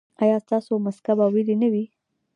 ایا ستاسو مسکه به ویلې نه وي؟